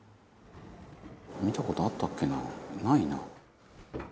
「見た事あったっけなないな」